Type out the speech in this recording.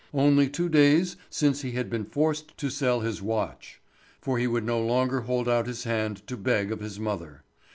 Only two days since he had been forced to sell his watch, for he would no longer hold out his hand to beg of his mother.